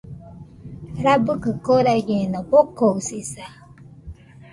Rabɨkɨ koraɨñeno, bokoɨsisa.